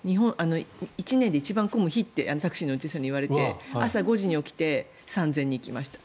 １年で一番混む日ってタクシーの運転手さんに言われて朝５時に起きて行きました。